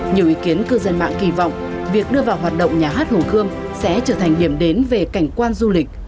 nhiều ý kiến cư dân mạng kỳ vọng việc đưa vào hoạt động nhà hát hồ gươm sẽ trở thành điểm đến về cảnh quan du lịch